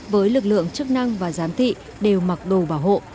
với lực lượng chức năng và giám thị đều mặc đồ bảo hộ